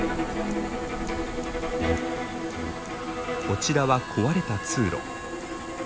こちらは壊れた通路。